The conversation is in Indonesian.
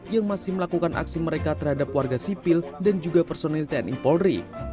yang masih melakukan aksi mereka terhadap warga sipil dan juga personil tni polri